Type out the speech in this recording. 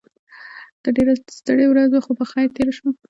نن ډيره ستړې ورځ وه خو په خير تيره شوه.